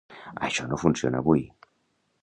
Això no funciona avui